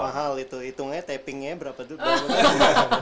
mahal itu hitungnya tappingnya berapa